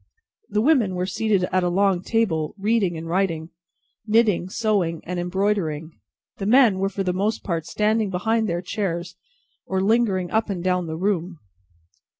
The women were seated at a long table, reading and writing, knitting, sewing, and embroidering; the men were for the most part standing behind their chairs, or lingering up and down the room.